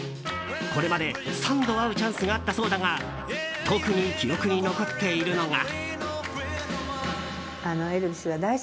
これまで３度会うチャンスがあったそうだが特に記憶に残っているのが。